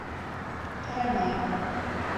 Ҡарамайым!